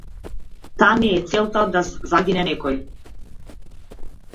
Та не е целта да загине некој!